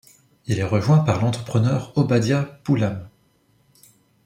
Il est rejoint par l'entrepreneur Obadiah Pulham.